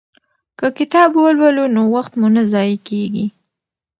که کتاب ولولو نو وخت مو نه ضایع کیږي.